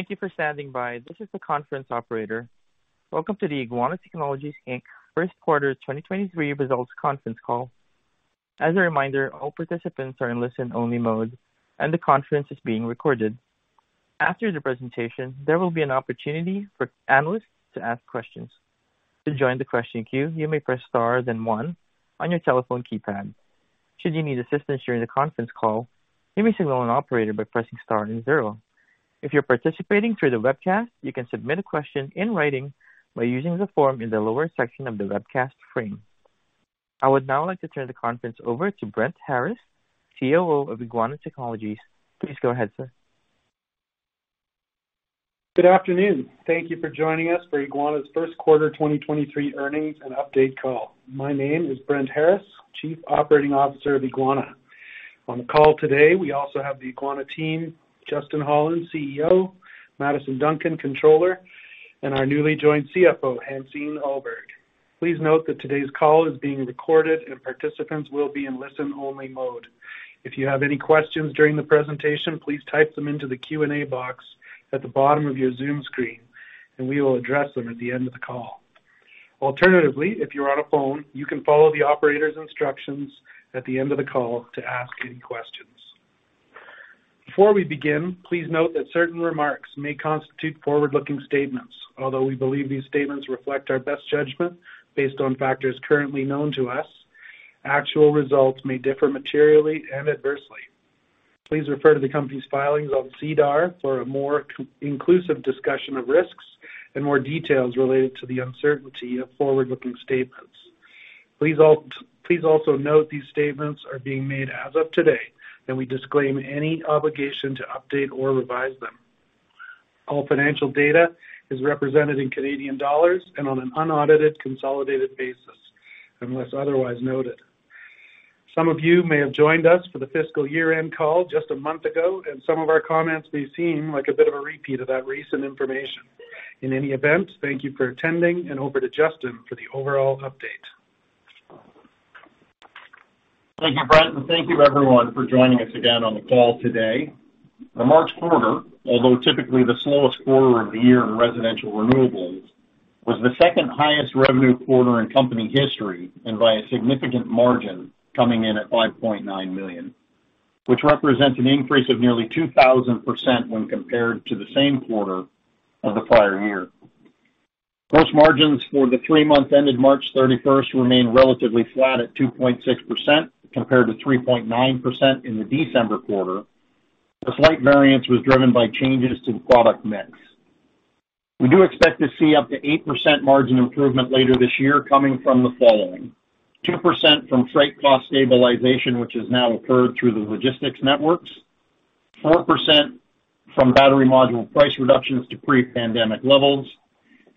Thank you for standing by. This is the conference operator. Welcome to the Eguana Technologies Inc. First Quarter 2023 Results Conference Call. As a reminder, all participants are in listen-only mode, and the conference is being recorded. After the presentation, there will be an opportunity for analysts to ask questions. To join the question queue, you may press star then one on your telephone keypad. Should you need assistance during the conference call, you may signal an operator by pressing star then zero. If you're participating through the webcast, you can submit a question in writing by using the form in the lower section of the webcast frame. I would now like to turn the conference over to Brent Harris, COO of Eguana Technologies. Please go ahead, sir. Good afternoon. Thank you for joining us for Eguana's 1st quarter 2023 earnings and update call. My name is Brent Harris, Chief Operating Officer of Eguana. On the call today, we also have the Eguana team, Justin Holland, CEO, Maddison Duncan, Controller, and our newly joined CFO, Hansine Ullberg. Please note that today's call is being recorded, and participants will be in listen-only mode. If you have any questions during the presentation, please type them into the Q&A box at the bottom of your Zoom screen, and we will address them at the end of the call. Alternatively, if you're on a phone, you can follow the operator's instructions at the end of the call to ask any questions. Before we begin, please note that certain remarks may constitute forward-looking statements. Although we believe these statements reflect our best judgment based on factors currently known to us, actual results may differ materially and adversely. Please refer to the company's filings on SEDAR for a more co- inclusive discussion of risks and more details related to the uncertainty of forward-looking statements. Please also note these statements are being made as of today. We disclaim any obligation to update or revise them. All financial data is represented in Canadian dollars and on an unaudited consolidated basis, unless otherwise noted. Some of you may have joined us for the fiscal year-end call just a month ago. Some of our comments may seem like a bit of a repeat of that recent information. In any event, thank you for attending. Over to Justin for the overall update. Thank you, Brent. Thank you everyone for joining us again on the call today. The March quarter, although typically the slowest quarter of the year in residential renewables, was the second highest revenue quarter in company history, and by a significant margin, coming in at 5.9 million, which represents an increase of nearly 2,000% when compared to the same quarter of the prior year. Gross margins for the three months ended March 31st remain relatively flat at 2.6%, compared to 3.9% in the December quarter. The slight variance was driven by changes to the product mix. We do expect to see up to 8% margin improvement later this year, coming from the following: 2% from freight cost stabilization, which has now occurred through the logistics networks, 4% from battery module price reductions to pre-pandemic levels,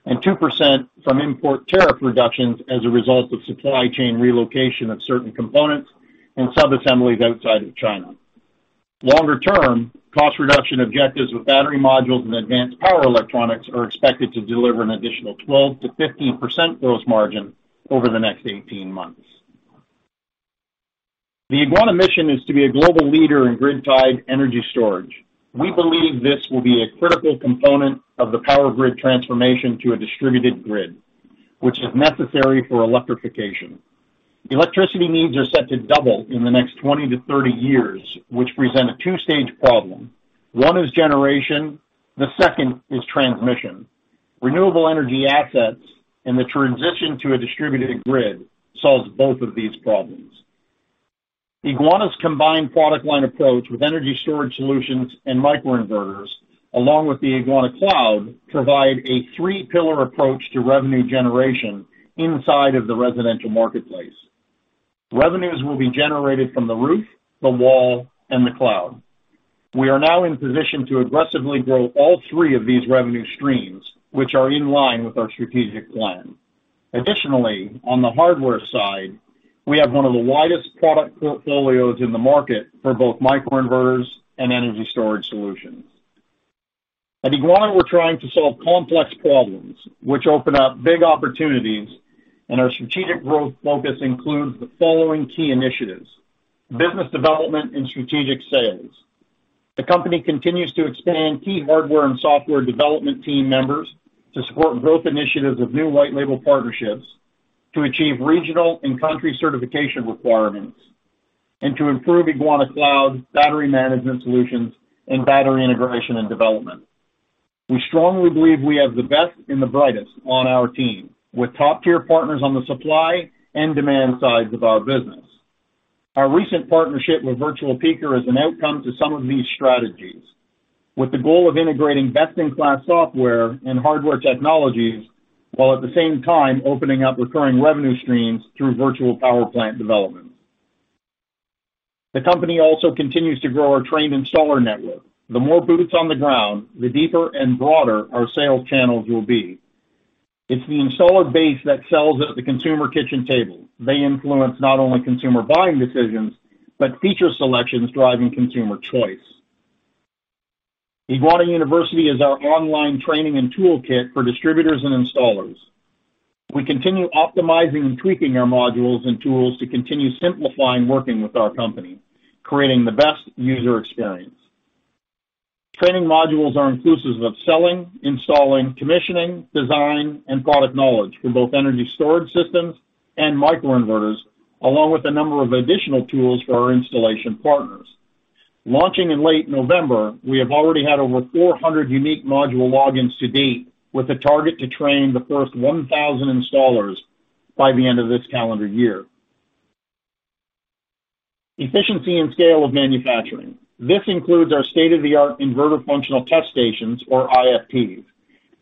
and 2% from import tariff reductions as a result of supply chain relocation of certain components and subassemblies outside of China. Longer term, cost reduction objectives with battery modules and advanced power electronics are expected to deliver an additional 12%-15% gross margin over the next 18 months. The Eguana mission is to be a global leader in grid-tied energy storage. We believe this will be a critical component of the power grid transformation to a distributed grid, which is necessary for electrification. Electricity needs are set to double in the next 20-30 years, which present a two-stage problem. One is generation, the second is transmission. Renewable energy assets and the transition to a distributed grid solves both of these problems. Eguana's combined product line approach with energy storage solutions and microinverters, along with the Eguana Cloud, provide a three-pillar approach to revenue generation inside of the residential marketplace. Revenues will be generated from the roof, the wall, and the cloud. We are now in position to aggressively grow all three of these revenue streams, which are in line with our strategic plan. Additionally, on the hardware side, we have one of the widest product portfolios in the market for both microinverters and energy storage solutions. At Eguana, we're trying to solve complex problems, which open up big opportunities, and our strategic growth focus includes the following key initiatives: business development and strategic sales. The company continues to expand key hardware and software development team members to support growth initiatives of new white label partnerships, to achieve regional and country certification requirements, and to improve Eguana Cloud battery management solutions and battery integration and development. We strongly believe we have the best and the brightest on our team, with top-tier partners on the supply and demand sides of our business. Our recent partnership with Virtual Peaker is an outcome to some of these strategies, with the goal of integrating best-in-class software and hardware technologies, while at the same time opening up recurring revenue streams through virtual power plant development. The company also continues to grow our trained installer network. The more boots on the ground, the deeper and broader our sales channels will be. It's the installer base that sells at the consumer kitchen table. They influence not only consumer buying decisions, but feature selections driving consumer choice. Eguana University is our online training and toolkit for distributors and installers. We continue optimizing and tweaking our modules and tools to continue simplifying working with our company, creating the best user experience. Training modules are inclusive of selling, installing, commissioning, design, and product knowledge for both energy storage systems and microinverters, along with a number of additional tools for our installation partners. Launching in late November, we have already had over 400 unique module logins to date, with a target to train the first 1,000 installers by the end of this calendar year. Efficiency and scale of manufacturing. This includes our state-of-the-art inverter functional test stations, or IFTs.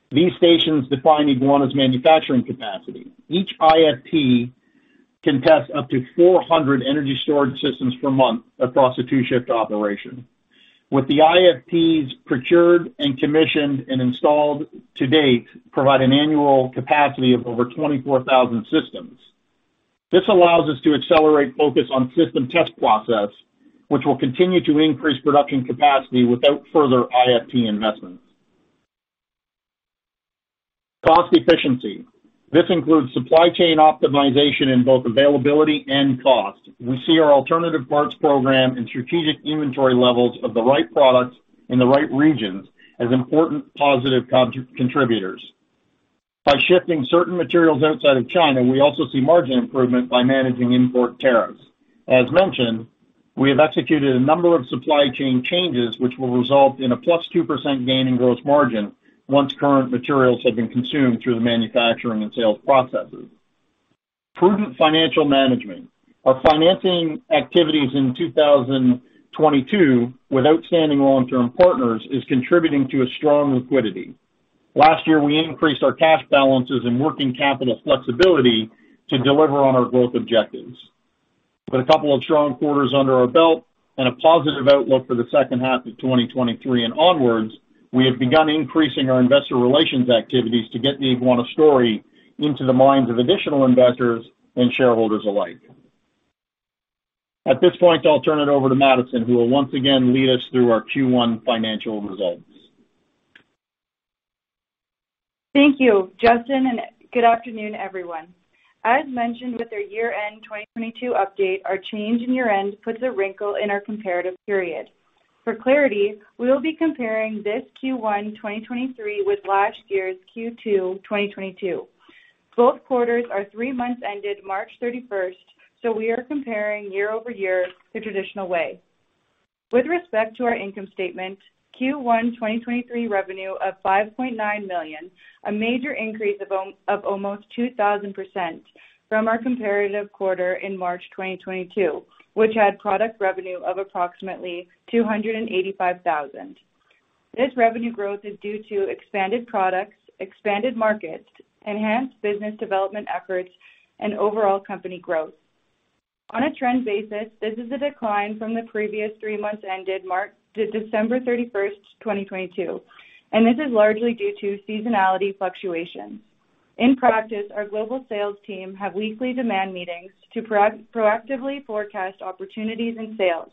These stations define Eguana's manufacturing capacity. Each IFT can test up to 400 energy storage systems per month across a two-shift operation. With the IFTs procured and commissioned and installed to date, provide an annual capacity of over 24,000 systems. This allows us to accelerate focus on system test process, which will continue to increase production capacity without further IFT investments. Cost efficiency. This includes supply chain optimization in both availability and cost. We see our alternative parts program and strategic inventory levels of the right products in the right regions as important positive contributors. By shifting certain materials outside of China, we also see margin improvement by managing import tariffs. As mentioned, we have executed a number of supply chain changes, which will result in a +2% gain in gross margin once current materials have been consumed through the manufacturing and sales processes. Prudent financial management. Our financing activities in 2022, with outstanding long-term partners, is contributing to a strong liquidity. Last year, we increased our cash balances and working capital flexibility to deliver on our growth objectives. With a couple of strong quarters under our belt and a positive outlook for the second half of 2023 and onwards, we have begun increasing our investor relations activities to get the Eguana story into the minds of additional investors and shareholders alike. At this point, I'll turn it over to Maddison, who will once again lead us through our Q1 financial results. Thank you, Justin. Good afternoon, everyone. As mentioned with our year-end 2022 update, our change in year-end puts a wrinkle in our comparative period. For clarity, we will be comparing this Q1 2023 with last year's Q2 2022. Both quarters are 3 months ended March thirty-first, we are comparing year-over-year the traditional way. With respect to our income statement, Q1 2023 revenue of 5.9 million, a major increase of almost 2,000% from our comparative quarter in March 2022, which had product revenue of approximately 285,000. This revenue growth is due to expanded products, expanded markets, enhanced business development efforts, and overall company growth. On a trend basis, this is a decline from the previous 3 months, ended December thirty-first, 2022, this is largely due to seasonality fluctuations. In practice, our global sales team have weekly demand meetings to proactively forecast opportunities and sales.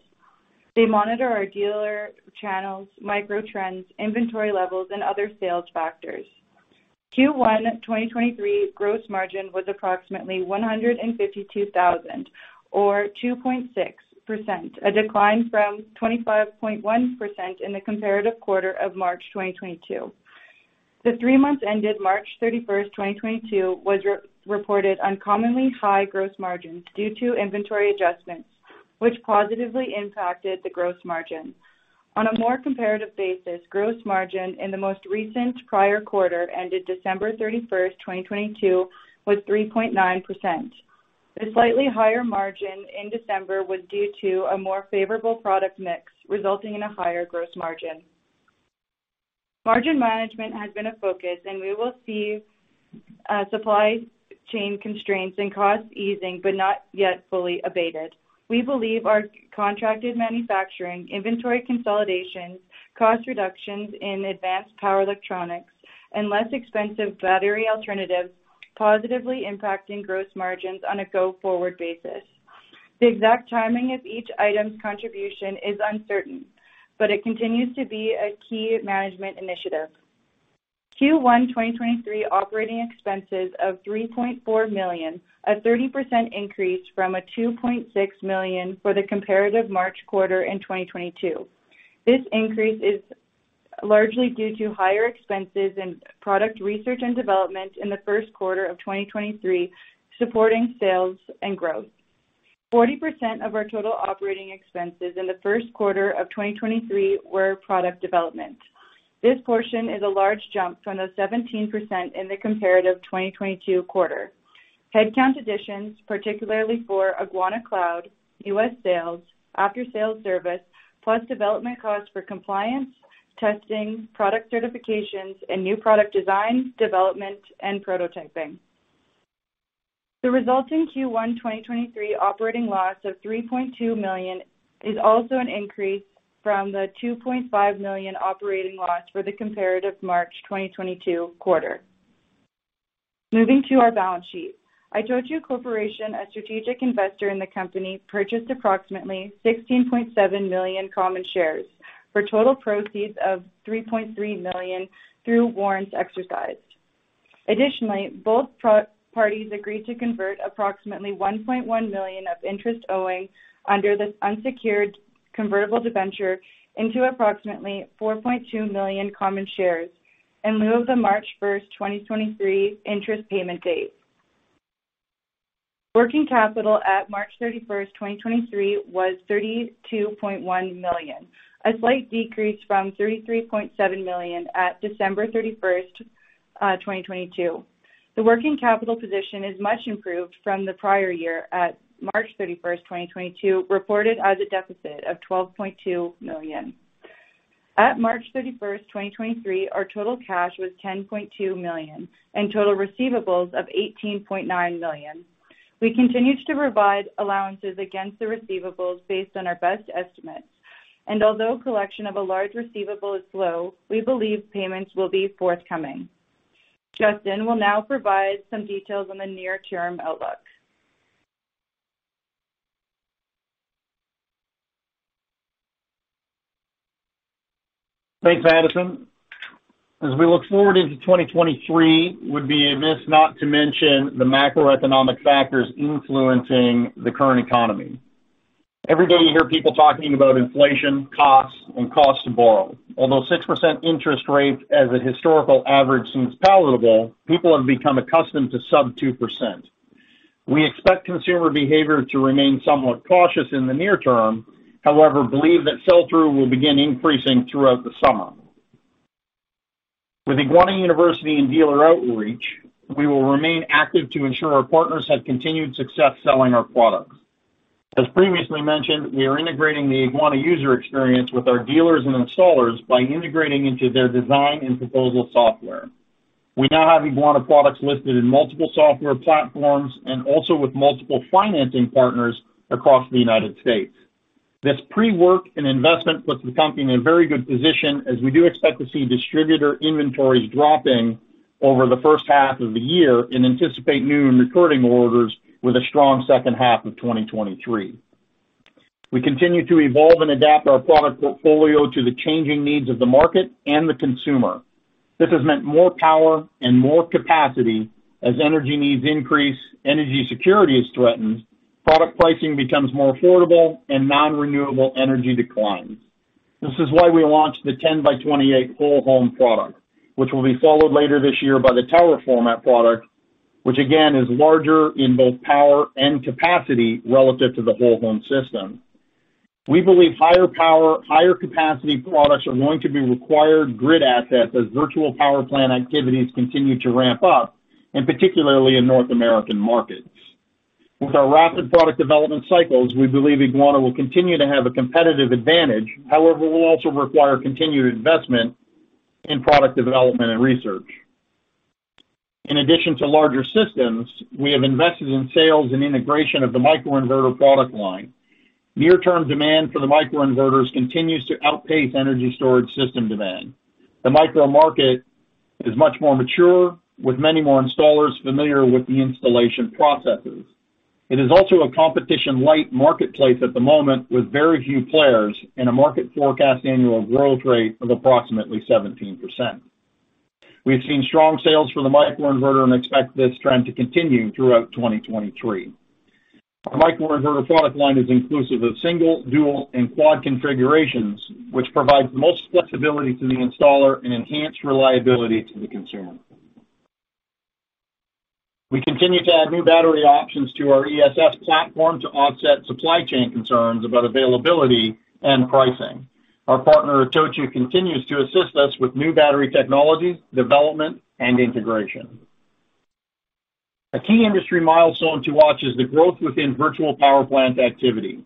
They monitor our dealer channels, microtrends, inventory levels, and other sales factors. Q1 2023 gross margin was approximately 152,000 or 2.6%, a decline from 25.1% in the comparative quarter of March 2022. The three months ended March 31st, 2022, was reported uncommonly high gross margins due to inventory adjustments, which positively impacted the gross margin. On a more comparative basis, gross margin in the most recent prior quarter, ended December 31st, 2022, was 3.9%. The slightly higher margin in December was due to a more favorable product mix, resulting in a higher gross margin. Margin management has been a focus, and we will see supply chain constraints and costs easing, but not yet fully abated. We believe our contracted manufacturing, inventory consolidations, cost reductions in advanced power electronics, and less expensive battery alternatives positively impacting gross margins on a go-forward basis. The exact timing of each item's contribution is uncertain, but it continues to be a key management initiative. Q1 2023 operating expenses of 3.4 million, a 30% increase from a 2.6 million for the comparative March quarter in 2022. This increase is largely due to higher expenses in product research and development in the first quarter of 2023, supporting sales and growth. 40% of our total operating expenses in the first quarter of 2023 were product development. This portion is a large jump from the 17% in the comparative 2022 quarter. Headcount additions, particularly for Eguana Cloud, U.S. sales, after-sales service, plus development costs for compliance, testing, product certifications, and new product design, development, and prototyping. The resulting Q1 2023 operating loss of 3.2 million is also an increase from the 2.5 million operating loss for the comparative March 2022 quarter. Moving to our balance sheet. ITOCHU Corporation, a strategic investor in the company, purchased approximately 16.7 million common shares for total proceeds of 3.3 million through warrants exercised. Additionally, both parties agreed to convert approximately 1.1 million of interest owing under this unsecured convertible debenture into approximately 4.2 million common shares in lieu of the March 1st, 2023 interest payment date. Working capital at March 31, 2023, was 32.1 million, a slight decrease from 33.7 million at December 31, 2022. The working capital position is much improved from the prior year at March 31, 2022, reported as a deficit of 12.2 million. At March 31, 2023, our total cash was 10.2 million, and total receivables of 18.9 million. Although collection of a large receivable is slow, we believe payments will be forthcoming. Justin will now provide some details on the near-term outlook. Thanks, Maddison. We look forward into 2023, would be amiss not to mention the macroeconomic factors influencing the current economy. Every day you hear people talking about inflation, costs, and cost to borrow. Six percent interest rate as a historical average seems palatable, people have become accustomed to sub 2%. We expect consumer behavior to remain somewhat cautious in the near term, however, believe that sell-through will begin increasing throughout the summer. With Eguana University and dealer outreach, we will remain active to ensure our partners have continued success selling our products. Previously mentioned, we are integrating the Eguana user experience with our dealers and installers by integrating into their design and proposal software. We now have Eguana products listed in multiple software platforms and also with multiple financing partners across the United States. This pre-work and investment puts the company in a very good position as we do expect to see distributor inventories dropping over the first half of the year and anticipate new and recurring orders with a strong second half of 2023. We continue to evolve and adapt our product portfolio to the changing needs of the market and the consumer. This has meant more power and more capacity as energy needs increase, energy security is threatened, product pricing becomes more affordable, and non-renewable energy declines. This is why we launched the 10 by 28 whole home product, which will be followed later this year by the tower format product, which again, is larger in both power and capacity relative to the whole home system. We believe higher power, higher capacity products are going to be required grid assets as virtual power plant activities continue to ramp up, and particularly in North American markets. With our rapid product development cycles, we believe Eguana will continue to have a competitive advantage. Will also require continued investment in product development and research. In addition to larger systems, we have invested in sales and integration of the microinverter product line. Near-term demand for the microinverters continues to outpace energy storage system demand. The micro market is much more mature, with many more installers familiar with the installation processes. It is also a competition-light marketplace at the moment, with very few players in a market forecast annual growth rate of approximately 17%. We've seen strong sales for the microinverter and expect this trend to continue throughout 2023. Our microinverter product line is inclusive of single, dual, and quad configurations, which provides the most flexibility to the installer and enhanced reliability to the consumer. We continue to add new battery options to our ESS platform to offset supply chain concerns about availability and pricing. Our partner, ITOCHU, continues to assist us with new battery technologies, development, and integration. A key industry milestone to watch is the growth within virtual power plant activity.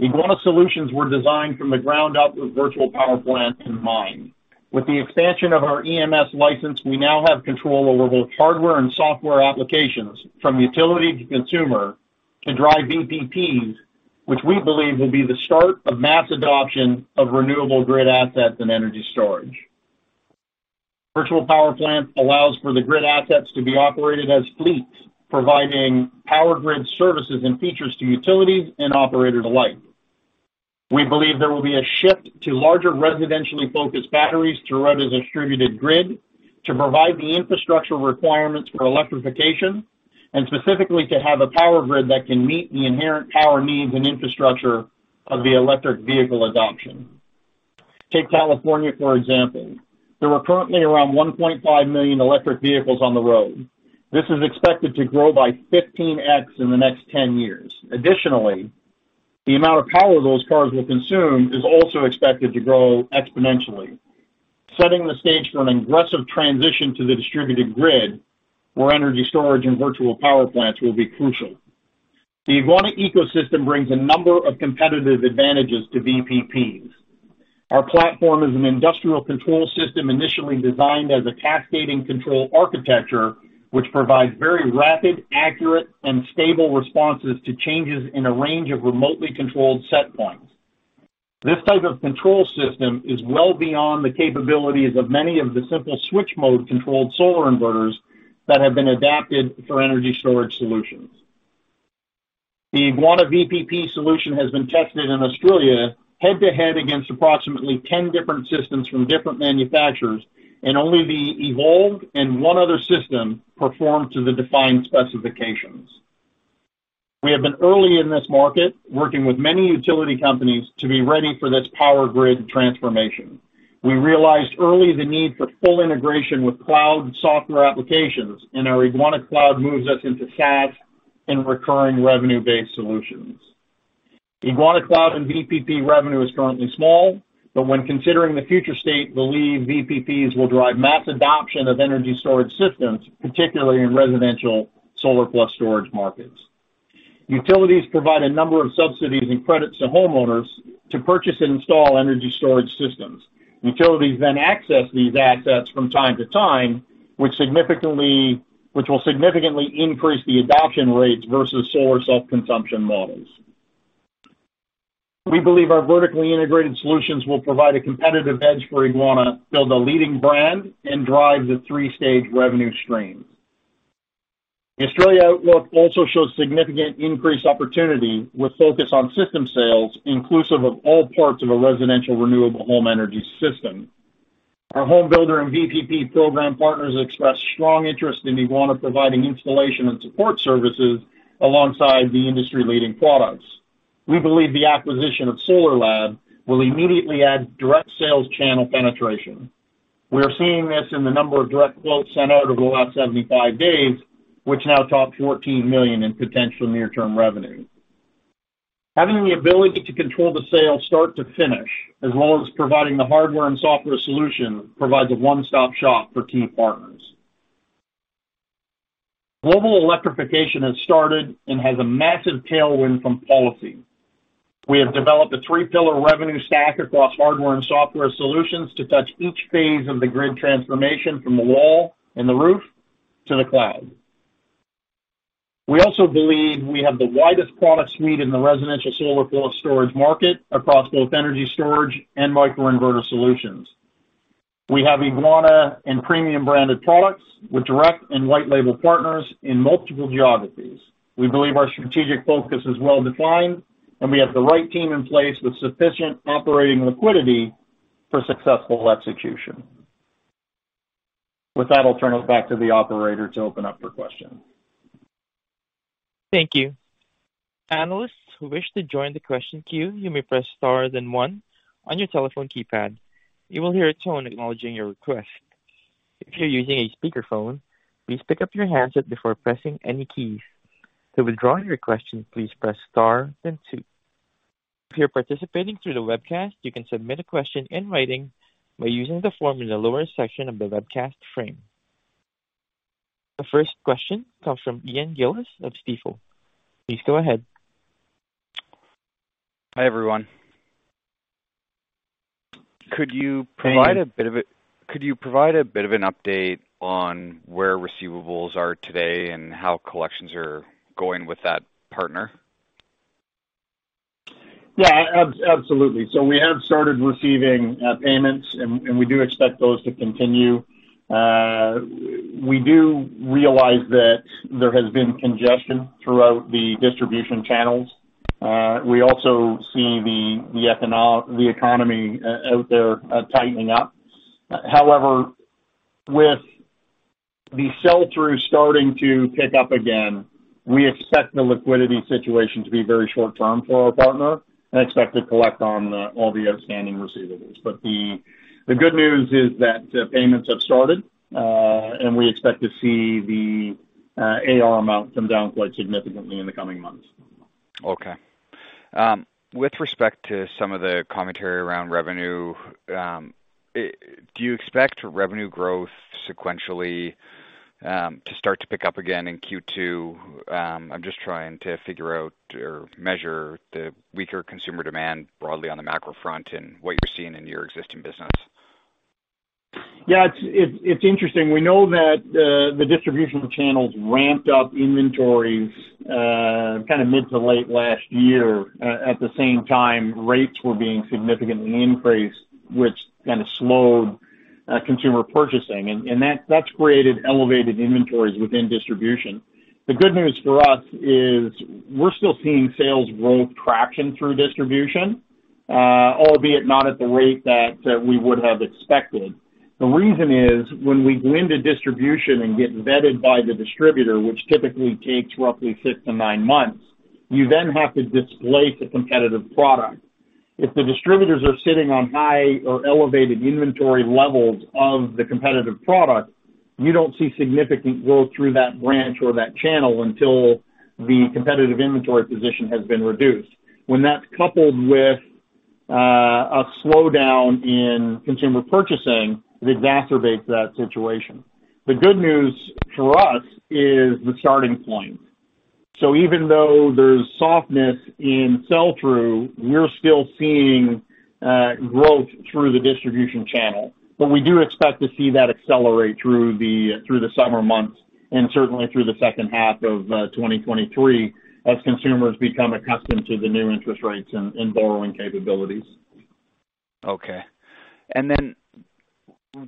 Eguana solutions were designed from the ground up with virtual power plants in mind. With the expansion of our EMS license, we now have control over both hardware and software applications, from utility to consumer, to drive VPPs, which we believe will be the start of mass adoption of renewable grid assets and energy storage. Virtual power plant allows for the grid assets to be operated as fleets, providing power grid services and features to utilities and operator alike. We believe there will be a shift to larger, residentially focused batteries throughout a distributed grid to provide the infrastructure requirements for electrification, and specifically to have a power grid that can meet the inherent power needs and infrastructure of the electric vehicle adoption. Take California, for example. There are currently around 1.5 million electric vehicles on the road. This is expected to grow by 15x in the next 10 years. The amount of power those cars will consume is also expected to grow exponentially, setting the stage for an aggressive transition to the distributed grid, where energy storage and virtual power plants will be crucial. The Eguana ecosystem brings a number of competitive advantages to VPPs. Our platform is an industrial control system, initially designed as a cascading control architecture, which provides very rapid, accurate, and stable responses to changes in a range of remotely controlled set points. This type of control system is well beyond the capabilities of many of the simple switch-mode controlled solar inverters that have been adapted for energy storage solutions. The Eguana VPP solution has been tested in Australia head-to-head against approximately 10 different systems from different manufacturers, and only the Evolve and one other system performed to the defined specifications. We have been early in this market, working with many utility companies to be ready for this power grid transformation. We realized early the need for full integration with cloud software applications, and our Eguana Cloud moves us into SaaS and recurring revenue-based solutions. Eguana Cloud and VPP revenue is currently small, but when considering the future state, believe VPPs will drive mass adoption of energy storage systems, particularly in residential solar-plus storage markets. Utilities provide a number of subsidies and credits to homeowners to purchase and install energy storage systems. Utilities then access these assets from time to time, which will significantly increase the adoption rates versus solar self-consumption models. We believe our vertically integrated solutions will provide a competitive edge for Eguana, build a leading brand, and drive the three-stage revenue stream. The Australia outlook also shows significant increased opportunity, with focus on system sales, inclusive of all parts of a residential renewable home energy system. Our home builder and VPP program partners expressed strong interest in Eguana providing installation and support services alongside the industry-leading products. We believe the acquisition of Solar Labs will immediately add direct sales channel penetration. We are seeing this in the number of direct quotes sent out over the last 75 days, which now top 14 million in potential near-term revenue. Having the ability to control the sale start to finish, as well as providing the hardware and software solution, provides a one-stop shop for key partners. Global electrification has started and has a massive tailwind from policy. We have developed a three-pillar revenue stack across hardware and software solutions to touch each phase of the grid transformation from the wall and the roof to the cloud. We also believe we have the widest product suite in the residential solar plus storage market across both energy storage and microinverter solutions. We have Eguana and premium-branded products with direct and white label partners in multiple geographies. We believe our strategic focus is well-defined, and we have the right team in place with sufficient operating liquidity for successful execution. With that, I'll turn it back to the operator to open up for questions. Thank you. Analysts who wish to join the question queue, you may press star then one on your telephone keypad. You will hear a tone acknowledging your request. If you're using a speakerphone, please pick up your handset before pressing any keys. To withdraw your question, please press star then two. If you're participating through the webcast, you can submit a question in writing by using the form in the lower section of the webcast frame. The first question comes from Ian Gillies of Stifel. Please go ahead. Hi, everyone. Could you provide a bit of an update on where receivables are today and how collections are going with that partner? Absolutely. We have started receiving payments, and we do expect those to continue. We do realize that there has been congestion throughout the distribution channels. We also see the economy out there tightening up. However, with the sell-through starting to pick up again, we expect the liquidity situation to be very short term for our partner and expect to collect on all the outstanding receivables. The good news is that payments have started, and we expect to see the AR amount come down quite significantly in the coming months. Okay. With respect to some of the commentary around revenue, do you expect revenue growth sequentially, to start to pick up again in Q2? I'm just trying to figure out or measure the weaker consumer demand broadly on the macro front and what you're seeing in your existing business? Yeah, it's interesting. We know that the distribution channels ramped up inventories, kind of mid to late last year. At the same time, rates were being significantly increased, which kind of slowed consumer purchasing. That's created elevated inventories within distribution. The good news for us is we're still seeing sales growth traction through distribution, albeit not at the rate that we would have expected. The reason is, when we go into distribution and get vetted by the distributor, which typically takes roughly six to nine months, you then have to displace the competitive product. If the distributors are sitting on high or elevated inventory levels of the competitive product, you don't see significant growth through that branch or that channel until the competitive inventory position has been reduced. When that's coupled with a slowdown in consumer purchasing, it exacerbates that situation. The good news for us is the starting point. Even though there's softness in sell-through, we're still seeing growth through the distribution channel. We do expect to see that accelerate through the summer months and certainly through the second half of 2023, as consumers become accustomed to the new interest rates and borrowing capabilities. Okay.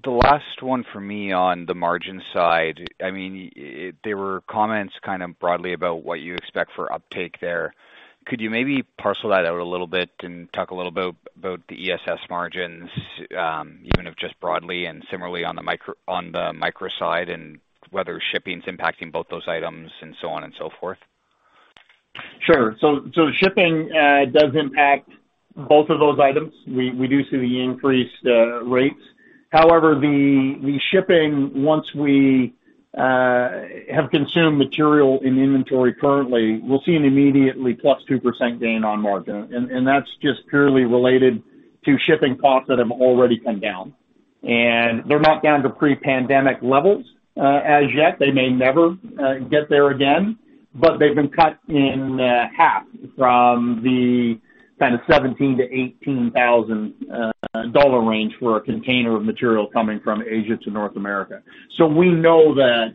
The last one for me on the margin side, I mean, there were comments kind of broadly about what you expect for uptake there. Could you maybe parcel that out a little bit and talk a little about the ESS margins, even if just broadly and similarly on the micro side, and whether shipping's impacting both those items, and so on and so forth? Sure. Shipping does impact both of those items. We do see the increased rates. However, the shipping, once we have consumed material in inventory currently, we'll see an immediately +2% gain on margin. That's just purely related to shipping costs that have already come down. They're not down to pre-pandemic levels as yet. They may never get there again, but they've been cut in half from the kind of $17,000-$18,000 range for a container of material coming from Asia to North America. We know that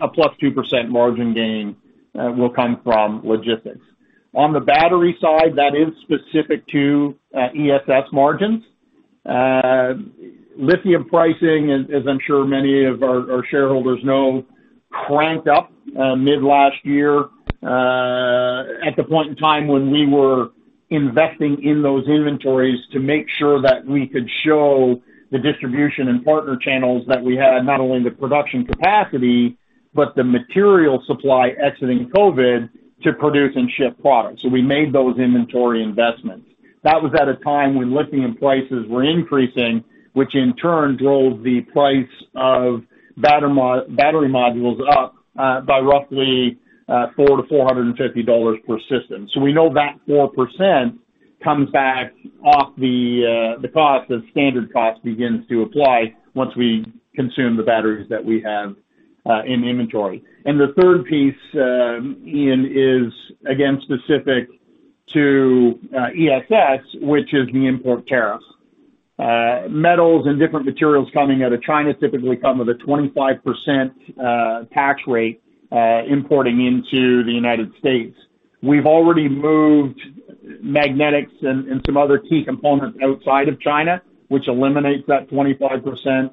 a +2% margin gain will come from logistics. On the battery side, that is specific to ESS margins. Lithium pricing, as I'm sure many of our shareholders know, cranked up mid last year, at the point in time when we were investing in those inventories to make sure that we could show the distribution and partner channels that we had not only the production capacity, but the material supply exiting COVID to produce and ship products. We made those inventory investments. That was at a time when lithium prices were increasing, which in turn drove the price of battery modules up by roughly 4-450 dollars per system. We know that 4% comes back off the cost as standard cost begins to apply once we consume the batteries that we have in inventory. The third piece, Ian, is again specific to ESS, which is the import tariff. Metals and different materials coming out of China typically come with a 25% tax rate importing into the United States. We've already moved magnetics and some other key components outside of China, which eliminates that 25%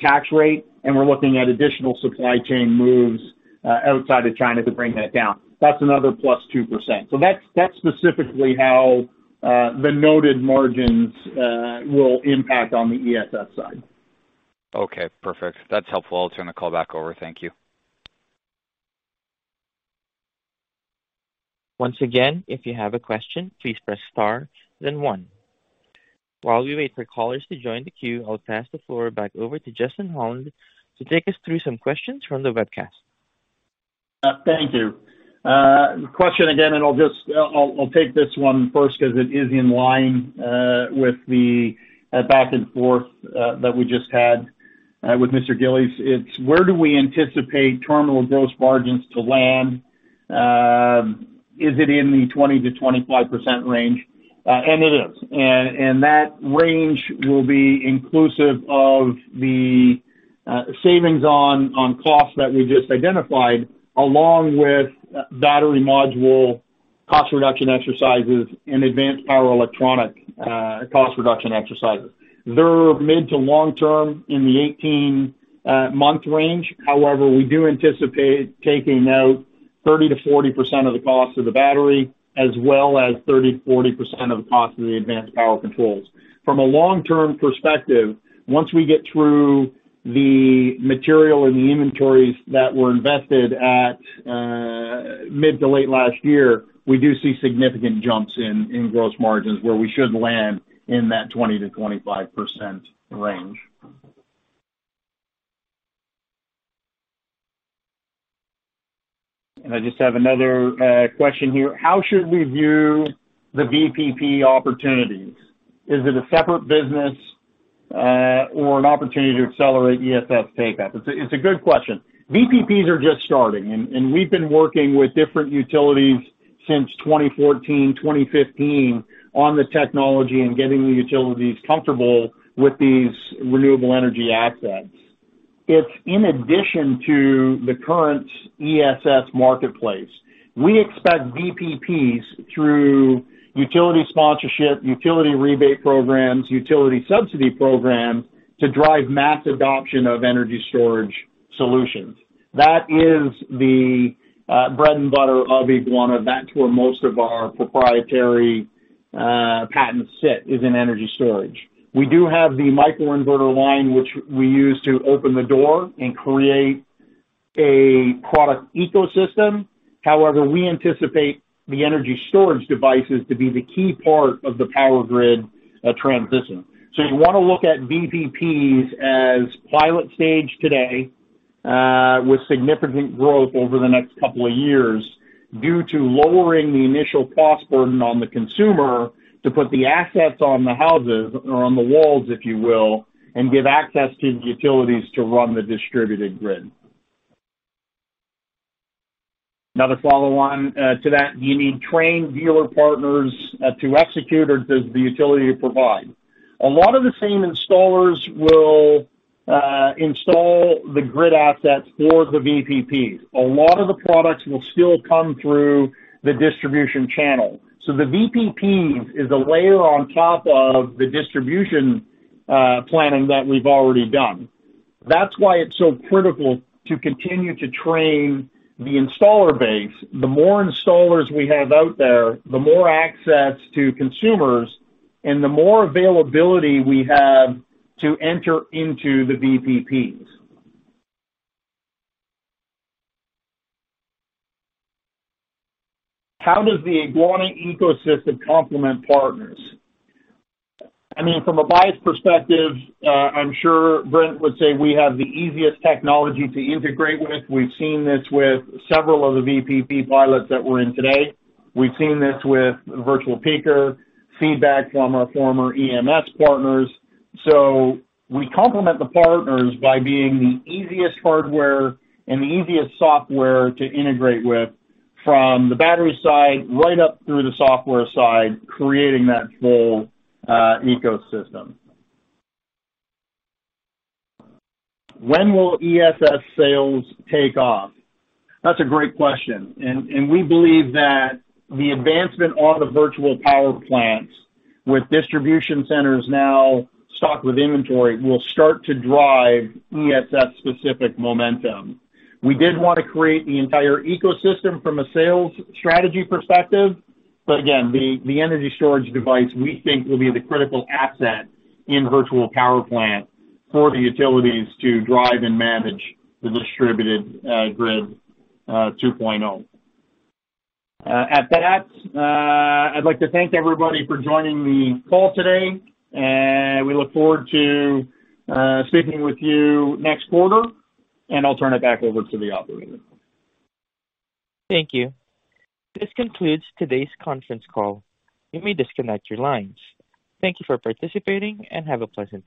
tax rate, and we're looking at additional supply chain moves outside of China to bring that down. That's another +2%. That's specifically how the noted margins will impact on the ESS side. Okay, perfect. That's helpful. I'll turn the call back over. Thank you. If you have a question, please press star then one. While we wait for callers to join the queue, I'll pass the floor back over to Justin Holland to take us through some questions from the webcast. Thank you. Question again, I'll just, I'll take this one first because it is in line with the back and forth that we just had with Mr. Gillies. It's: Where do we anticipate terminal gross margins to land? Is it in the 20%-25% range? It is. That range will be inclusive of the savings on costs that we just identified, along with battery module cost reduction exercises and advanced power electronic cost reduction exercises. They're mid to long term in the 18 month range. However, we do anticipate taking out 30%-40% of the cost of the battery, as well as 30%-40% of the cost of the advanced power controls. From a long-term perspective, once we get through the material and the inventories that were invested at mid to late last year, we do see significant jumps in gross margins, where we should land in that 20%-25% range. I just have another question here: How should we view the VPP opportunities? Is it a separate business or an opportunity to accelerate ESS takeoff? It's a good question. VPPs are just starting, and we've been working with different utilities since 2014, 2015, on the technology and getting the utilities comfortable with these renewable energy assets. It's in addition to the current ESS marketplace. We expect VPPs, through utility sponsorship, utility rebate programs, utility subsidy programs, to drive mass adoption of energy storage solutions. That is the bread and butter of Eguana. That's where most of our proprietary patents sit, is in energy storage. We do have the microinverter line, which we use to open the door and create a product ecosystem. We anticipate the energy storage devices to be the key part of the power grid transition. You want to look at VPPs as pilot stage today, with significant growth over the next 2 years, due to lowering the initial cost burden on the consumer to put the assets on the houses or on the walls, if you will, and give access to the utilities to run the distributed grid. Another follow-on to that: Do you need trained dealer partners to execute, or does the utility provide? A lot of the same installers will install the grid assets for the VPPs. A lot of the products will still come through the distribution channel. The VPPs is a layer on top of the distribution planning that we've already done. That's why it's so critical to continue to train the installer base. The more installers we have out there, the more access to consumers and the more availability we have to enter into the VPPs. How does the Eguana ecosystem complement partners? I mean, from a bias perspective, I'm sure Brent would say we have the easiest technology to integrate with. We've seen this with several of the VPP pilots that we're in today. We've seen this with Virtual Peaker, feedback from our former EMS partners. We complement the partners by being the easiest hardware and the easiest software to integrate with from the battery side, right up through the software side, creating that full ecosystem. When will ESS sales take off? That's a great question. We believe that the advancement of the virtual power plants with distribution centers now stocked with inventory will start to drive ESS-specific momentum. We did want to create the entire ecosystem from a sales strategy perspective, but again, the energy storage device, we think, will be the critical asset in virtual power plant for the utilities to drive and manage the distributed grid 2.0. At that, I'd like to thank everybody for joining the call today, and we look forward to speaking with you next quarter, and I'll turn it back over to the operator. Thank you. This concludes today's conference call. You may disconnect your lines. Thank you for participating and have a pleasant day.